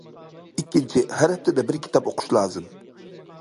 ئىككىنچى، ھەر ھەپتىدە بىر كىتاب ئوقۇش لازىم.